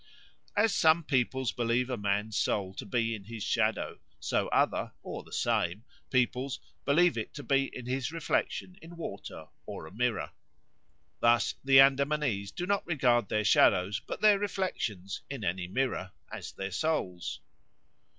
As some peoples believe a man's soul to be in his shadow, so other (or the same) peoples believe it to be in his reflection in water or a mirror. Thus "the Andamanese do not regard their shadows but their reflections (in any mirror) as their souls."